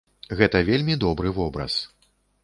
Гэта вельмі добры вобраз.